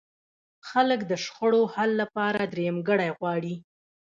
خلک د شخړو حل لپاره درېیمګړی غواړي.